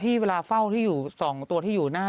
เวลาเฝ้าที่อยู่๒ตัวที่อยู่หน้า